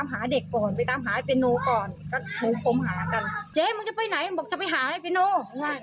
เขาบอกเป้ามันไว่เดี๋ยวไปตามหาเด็กก่อน